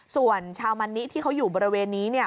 ส่วนชาวมันนิที่เขาอยู่บริเวณนี้เนี่ย